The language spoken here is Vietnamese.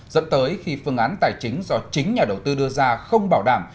dẫn tới khi phương án tài chính do chính nhà đầu tư đưa ra không bảo đảm